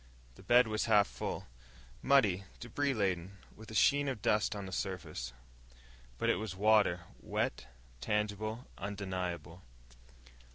The bed was half full muddy, debris laden, with a sheen of dust on the surface. But it was water wet, tangible, undeniable.